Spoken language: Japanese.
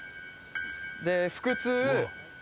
で腹痛。